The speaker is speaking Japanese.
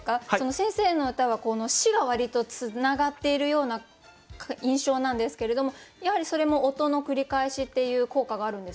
先生の歌は「し」が割とつながっているような印象なんですけれどもやはりそれも音の繰り返しっていう効果があるんですか？